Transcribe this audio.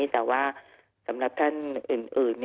แต่ว่าสำหรับท่านอื่น